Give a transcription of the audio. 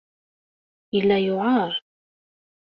Yella yewɛeṛ.